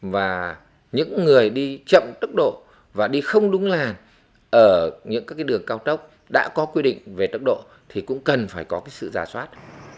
và những người đi chậm tốc độ và đi không đúng làn ở những các đường cao tốc đã có quy định về tốc độ thì cũng cần phải có sự giả soát